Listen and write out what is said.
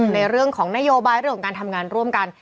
ในเรื่องของนโยบายเรื่องของการทำงานร่วมกัน